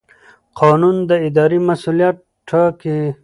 قانون د ادارې مسوولیت ټاکي.